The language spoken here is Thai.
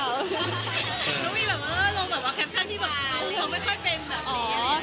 แล้วมีแบบเออลงแคปชั่นที่แบบเออเค้าไม่ค่อยเป็นแบบนี้